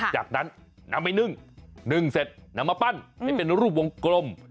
จากนั้นนำไปนึ่งนึ่งเสร็จนำมาปั้นให้เป็นรูปวงกลม